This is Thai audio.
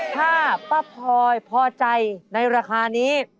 ถ้าป้าพลอยพอใจในราคานี้